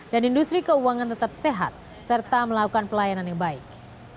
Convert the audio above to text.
dan industri keuangan tetap sehat serta melakukan pelayanan yang baik